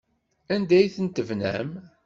Anda ay ten-tebnam?